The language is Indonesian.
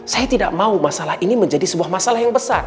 saya tidak mau masalah ini menjadi sebuah masalah yang besar